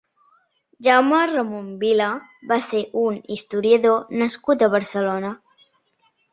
Jaume Ramon Vila va ser un historiador nascut a Barcelona.